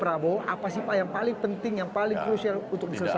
apa sih pak yang paling penting yang paling crucial untuk diselesaikan